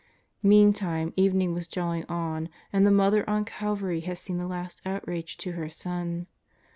Meantime evening was drawing on, and the Mother on Calvary had seen the last outrage to her Son.